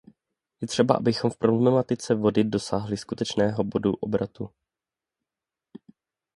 Je třeba, abychom v problematice vody dosáhli skutečného bodu obratu.